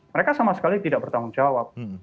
mereka sama sekali tidak bertanggung jawab